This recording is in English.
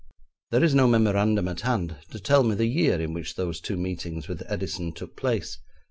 There is no memorandum at hand to tell me the year in which those two meetings with Edison took place.